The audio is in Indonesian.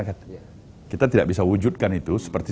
kita tidak bisa wujudkan itu seperti